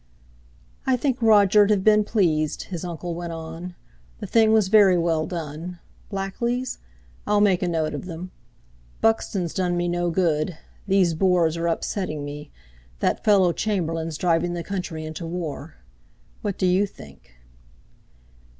"I think Roger'd have been pleased," his uncle went on. "The thing was very well done. Blackley's? I'll make a note of them. Buxton's done me no good. These Boers are upsetting me—that fellow Chamberlain's driving the country into war. What do you think?"